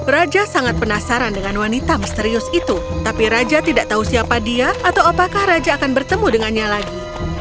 raja sangat penasaran dengan wanita misterius itu tapi raja tidak tahu siapa dia atau apakah raja akan bertemu dengannya lagi